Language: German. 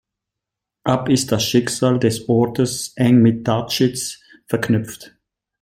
Ab ist das Schicksal des Ortes eng mit Datschitz verknüpft.